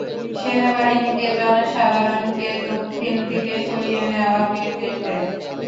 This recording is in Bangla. সেনাবাহিনীকে জনসাধারণকে দক্ষিণ দিকে সরিয়ে নেওয়ার নির্দেশ দিন।